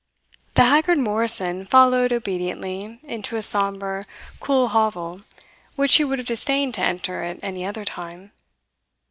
The haggard Morrison followed obediently into a sombre, cool hovel which he would have distained to enter at any other time.